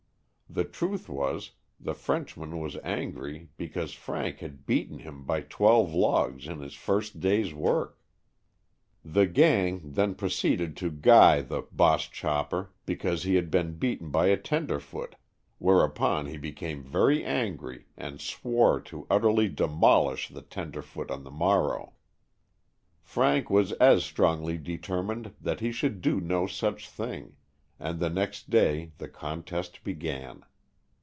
The truth was the French man was angry because Frank had beaten him by twelve logs in his first day's work. The "gang" then proceeded to "guy" the "boss chopper" because he had been beaten by a "tenderfoot," whereupon he 110 Stories from the Adirondacks* became very angry and swore to utterly demolish the "tenderfoot" on the mor row. Frank was as strongly determined that he should do no such thing, and the next day the contest began.